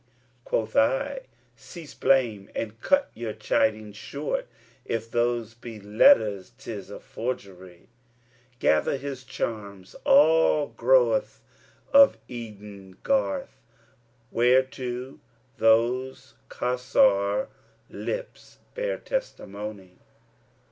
Quoth I, 'Cease blame and cut your chiding short; * If those be letters 'tis a forgery:' Gather his charms all growths of Eden garth * Whereto those Kausar[FN#276] lips bear testimony.'"